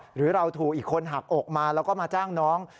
หรือเราถูกอีกคนหักอกมาแล้วก็มาจ้างน้อง